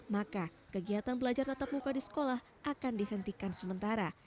maka kegiatan belajar tetap muka di sekolah akan dihentikan sementara